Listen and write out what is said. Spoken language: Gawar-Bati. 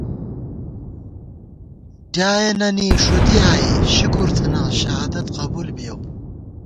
ڈیائېننی ݭُدی آئی، شکر تھنہ شہادت قبُول بِیَؤ